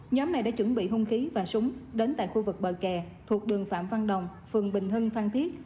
nhóm này đã chuẩn bị hung khí và súng đến tại khu vực bờ kè thuộc đường phạm văn đồng phường bình hưng phan thiết